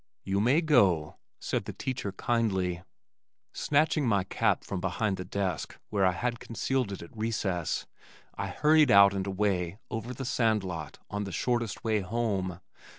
"You may go," said the teacher kindly. Snatching my cap from beneath the desk where I had concealed it at recess, I hurried out and away over the sand lot on the shortest way home.